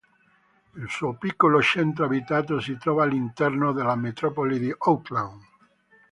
Il suo piccolo centro abitato si trova all'interno della metropoli di Oakland.